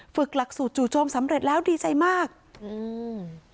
ฝึกหลักสูตรจู่โจมสำเร็จแล้วดีใจมากอืม